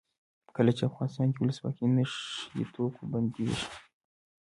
کله چې افغانستان کې ولسواکي وي نشه یي توکي بندیږي.